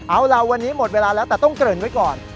เอาล่ะวันนี้หมดเวลาแล้วแต่ต้องเกริ่นไว้ก่อน